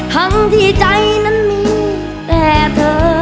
ทั้งที่ใจนั้นมีแต่เธอ